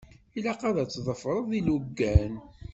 Ilaq ad tḍefṛeḍ ilugan.